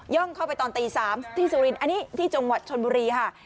เข้าไปตอนตี๓ที่สุรินทร์อันนี้ที่จังหวัดชนบุรีค่ะ